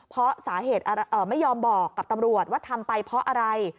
เพราะสาเหตุไม่ยอมบอกกับตำรวจว่าทำไปเพราะอะไร